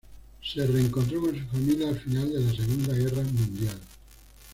Se reencontró con su familia al final de la Segunda Guerra Mundial.